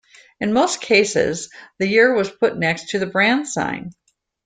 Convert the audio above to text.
In most cases the year was put next to the brand sign.